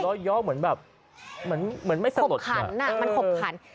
หัวเราย่อเหมือนแบบมันไม่สะหรดขบขันอะมันขบขัน